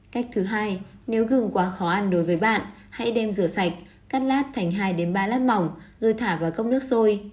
cách thứ hai nếu gừng quá khó ăn đối với bạn hãy đem rửa sạch cắt lát thành hai ba lát mỏng rồi thả vào cốc nước sôi